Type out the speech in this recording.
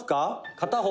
片方」